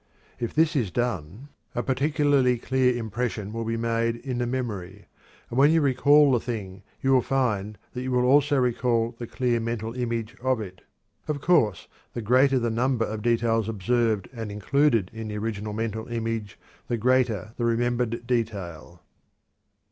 If this is done, a particularly clear impression will be made in the memory, and when you recall the thing you will find that you will also recall the clear mental image of it. Of course the greater the number of details observed and included in the original mental image, the greater the remembered detail.